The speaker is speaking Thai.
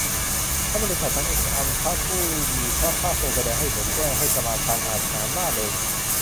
ครั้นบริษัทนั้น อันพระผู้มีพระภาคทรงแสดงให้เห็นแจ้ง ให้สมาทาน อาจหาญ ร่าเริง